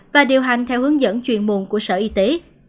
và điều hành theo hướng dẫn chuyện mùn của sở y tế